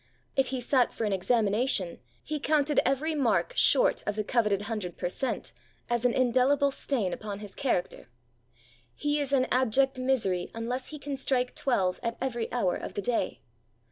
If he sat for an examination, he counted every mark short of the coveted hundred per cent. as an indelible stain upon his character. He is in abject misery unless he can strike twelve at every hour of the day.